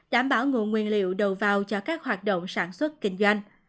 đảm bảo nguồn nguyên liệu đầu vào cho các hoạt động sản xuất kinh doanh